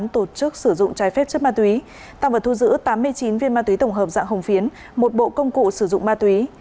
tạm vật thu giữ tám mươi chín viên ma túy tổng hợp dạng hồng phiến một bộ công cụ sử dụng ma túy